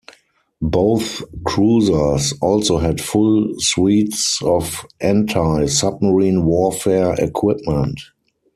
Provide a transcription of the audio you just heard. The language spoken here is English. Both cruisers also had full suites of anti-submarine warfare equipment.